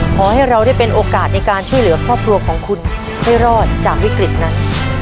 ขอให้เราได้เป็นโอกาสในการช่วยเหลือครอบครัวของคุณให้รอดจากวิกฤตนั้น